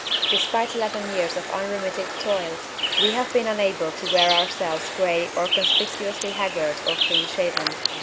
Despite eleven years of unremitting toil we have been unable to wear ourselves gray or conspicuously haggard or clean shaven.